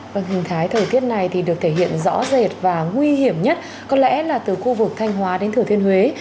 vâng hình thái thời tiết này thì được thể hiện rõ rệt và nguy hiểm nhất có lẽ là từ khu vực thanh hóa đến thừa thiên huế